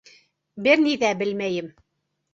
Бер ни ҙә белмәйем!